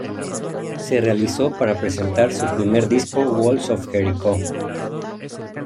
Se realizó para presentar su primer disco Walls of Jericho.